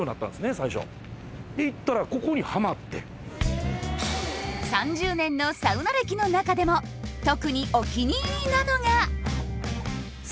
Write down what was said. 最初で行ったらここにハマって３０年のサウナ歴の中でも特にお気に入りなのがえ